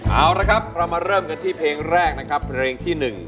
เอาละครับเรามาเริ่มกันที่เพลงแรกนะครับเพลงที่๑